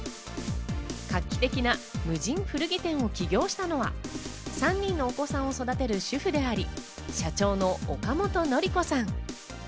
画期的な無人古着店を起業したのは３人のお子さんを育てる主婦であり、社長の岡本紀子さん。